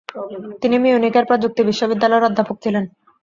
তিনি মিউনিখের প্রযুক্তি বিশ্ববিদ্যালয়ের অধ্যাপক ছিলেন।